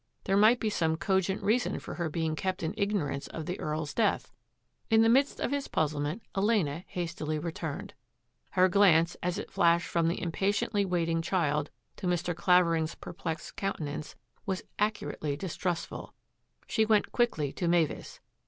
There might be some cogent reason for her being kept in ignorance of the EarPs death. In the midst of his puzzlement Elena hastily returned. Her glance, as it flashed from the im patiently waiting child to Mr. Clavering's per plexed countenance, was acutely distrustful. She went quickly to Mavis.